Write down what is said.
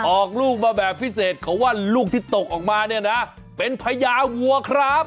ออกลูกมาแบบพิเศษเขาว่าลูกที่ตกออกมาเนี่ยนะเป็นพญาวัวครับ